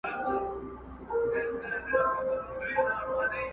جوړه څنګه سي کېدلای د لارښود او ګمراهانو؛